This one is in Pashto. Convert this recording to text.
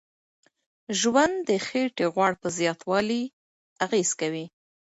ژوند د خېټې غوړ په زیاتوالي اغیز کوي.